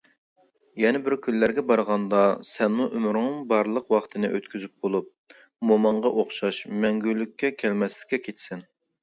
يەنە بىر كۈنلەرگە بارغاندا، سەنمۇ ئۆمرۈڭنىڭ بارلىق ۋاقتىنى ئۆتكۈزۈپ بولۇپ، موماڭغا ئوخشاش مەڭگە كەلمەسكە كېتىسەن.